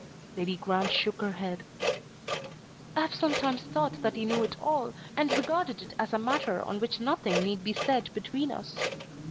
Lady Grant shook her head. "I have sometimes thought that he knew it all, and regarded it as a matter on which nothing need be said between us.